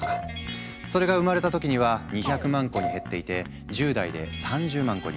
それが生まれた時には２００万個に減っていて１０代で３０万個に。